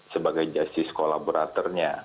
sebagai justice kolaboratornya